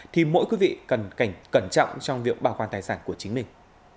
thì mỗi quý vị cần cẩn trọng trong việc bảo quan tài sản của chính mình